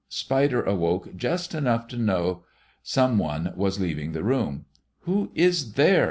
Spider awoke, just enough to know some one was leaving the room. "Who is there?"